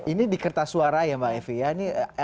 ini di kertas suara ya mbak evi ya